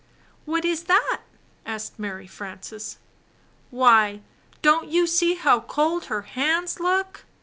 "What is that?" asked Mary Frances. _ "Why, don't you see how cold her hands look?"